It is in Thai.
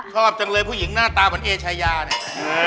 ชอบจังเลยผู้หญิงหน้าตาเหมือนเอชายาเนี่ย